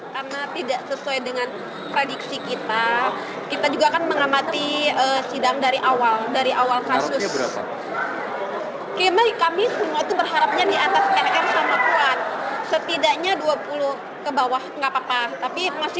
tuntutan delapan tahun menyebutkan putri dituntut pidana delapan tahun penjara bagi putri